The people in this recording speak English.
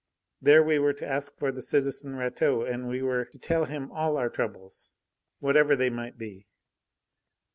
There we were to ask for the citizen Rateau, and we were to tell him all our troubles, whatever they might be.